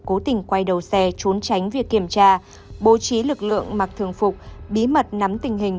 cố tình quay đầu xe trốn tránh việc kiểm tra bố trí lực lượng mặc thường phục bí mật nắm tình hình